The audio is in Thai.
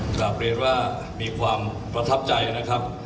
กลับเรียนว่ามีความประทับใจนะครับ